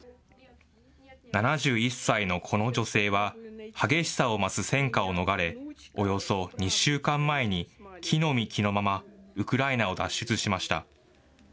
７１歳のこの女性は、激しさを増す戦火を逃れ、およそ２週間前に着のみ着のまま、ウクライナを脱出しました。